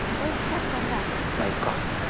まぁいっか。